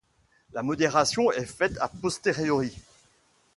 La modération est faite a posteriori.